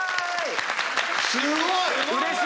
すごい！